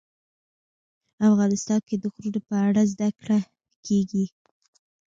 افغانستان کې د غرونه په اړه زده کړه کېږي.